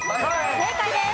正解です。